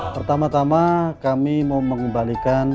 pertama tama kami mau mengembalikan